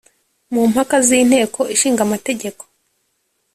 mu mpaka z'inteko ishinga amategeko,